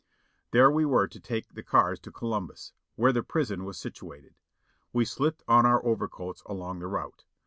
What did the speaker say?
There we were to take the cars to Columbus, where the prison was situated. We slipped on our overcoats along the route.